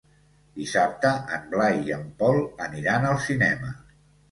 Dissabte en Blai i en Pol aniran al cinema.